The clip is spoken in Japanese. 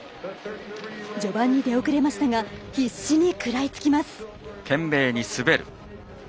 序盤に出遅れましたが必死に食らいつきます。